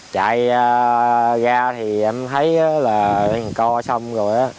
chạy ra thì em thấy là đang nhằn co xong rồi